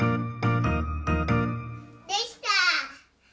できた！